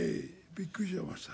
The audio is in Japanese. びっくりしました。